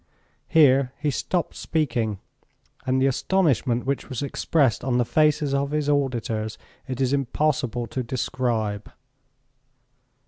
Here he stopped speaking, and the astonishment which was expressed on the faces of his auditors it is impossible to describe.